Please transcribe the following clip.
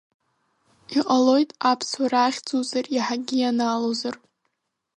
Иҟалоит Аԥсуара ахьӡуҵар иаҳагьы ианаалозар.